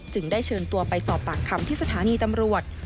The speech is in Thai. ได้เชิญตัวไปสอบปากคำที่สถานีตำรวจ